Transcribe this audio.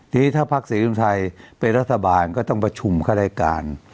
ทีนี้ถ้าพักศรีรุงไทยเป็นรัฐบาลก็ต้องประชุมข้ารายการ